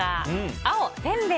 青、せんべい